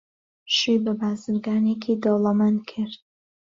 شووی بە بازرگانێکی دەوڵەمەند کرد.